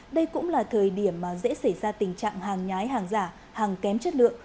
đây cũng là thời điểm dễ xảy ra tình trạng hàng nhái hàng giả hàng kém chất lượng